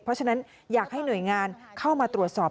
เพราะฉะนั้นอยากให้หน่วยงานเข้ามาตรวจสอบ